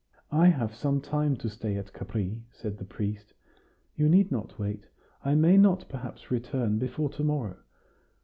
"I have some time to stay at Capri," said the priest. "You need not wait I may not perhaps return before to morrow.